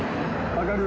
上がる？